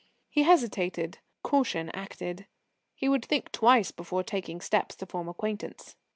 He hesitated. Caution acted. He would think twice before taking steps to form acquaintance.